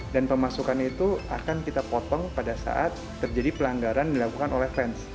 dan pemasukan itu akan kita potong pada saat terjadi pelanggaran dilakukan oleh fans